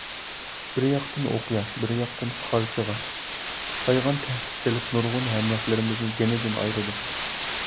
بىر ياقتىن ئوقيا، بىر ياقتىن قارچىغا، تايغان تەھدىت سېلىپ نۇرغۇن ھەمراھلىرىمىزنى جېنىدىن ئايرىدى.